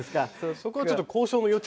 そこはちょっと交渉の余地